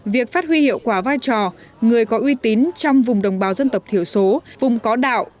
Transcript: việc phát huy hiệu quả vai trò người có uy tín trong vùng đồng bào dân tộc thiểu số vùng có đạo